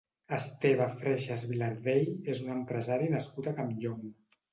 Esteve Freixas Vilardell és un empresari nascut a Campllong.